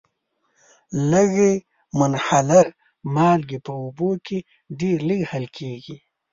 لږي منحله مالګې په اوبو کې ډیر لږ حل کیږي.